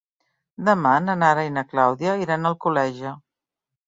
Demà na Nara i na Clàudia iran a Alcoleja.